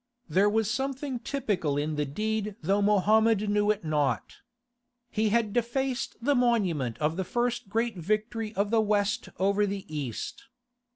There was something typical in the deed though Mohammed knew it not. He had defaced the monument of the first great victory of the West over the East.